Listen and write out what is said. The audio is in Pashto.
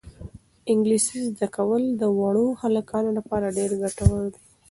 انګلیسي زده کول د وړو هلکانو لپاره ډېر ګټور دي.